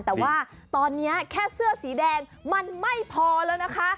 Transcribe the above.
แต่ว่าตอนนี้แค่เสื้อสีแดงมันไม่พอแล้วนะคะ